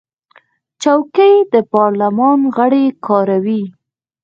چوکۍ د پارلمان غړي کاروي.